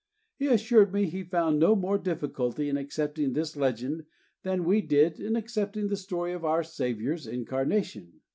He assured me he found no more difficulty in accepting this legend than we did in accepting the story of our Saviour's incarnation.